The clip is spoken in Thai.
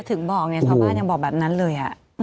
ถึงบอกไงชาวบ้านยังบอกแบบนั้นเลย